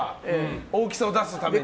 大きさを出すために。